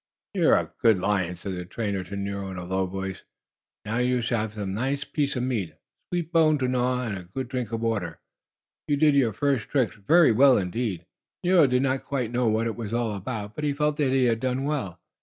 "You are a good lion!" said the trainer to Nero in a low voice. "Now you shall have a nice piece of meat, a sweet bone to gnaw, and a good drink of water. You did your first tricks very well indeed." Nero did not quite know what it was all about, but he felt that he had done well.